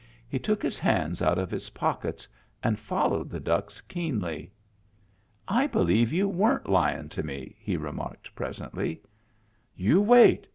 He took his hands out of his pockets and followed the ducks keenly. " I believe you weren't lyin' to me," he remarked presently. " You wait